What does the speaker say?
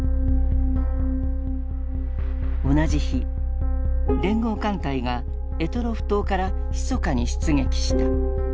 同じ日連合艦隊が択捉島からひそかに出撃した。